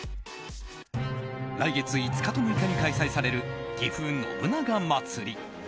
来月５日と６日に開催されるぎふ信長まつり。